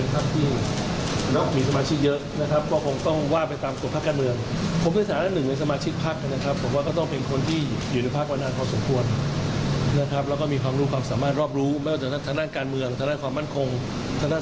คิดว่าคุณหมอมีโอกาสจะได้ผลับมาทางหัวหน้า